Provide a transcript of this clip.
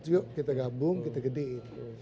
yuk kita gabung kita gedein